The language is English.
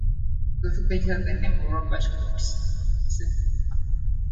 The village has the name of Robert Coats, a first settler.